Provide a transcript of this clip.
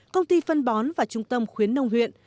công ty phân bón và trung tâm khuyến nông huyện